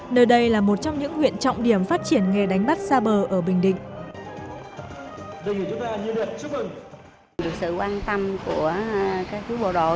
nơi đây là một trong những huyện trọng điểm phát triển nghề đánh bắt xa bờ ở bình định